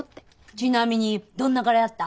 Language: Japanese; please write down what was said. ちなみにどんな柄やった？